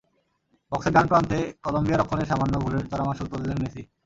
বক্সের ডান প্রান্তে কলম্বিয়া রক্ষণের সামান্য ভুলের চড়া মাশুল তুললেন মেসি।